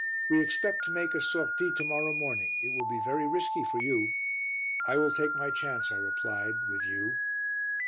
"We expect to make a sortie to morrow morning. It will be very risky for you." "I will take my chance," I replied, "with you."